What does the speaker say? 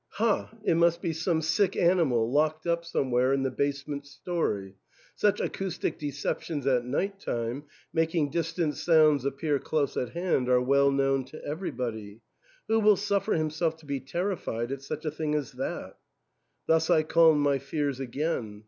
*'Ha! it must be some sick animal locked up some where in the basement storey. Such acoustic decep tions at night time, making distant sounds appear close at hand, are well known to everybody. Who will suffer himself to be terrified at such a thing as that ?" Thus I calmed my fears again.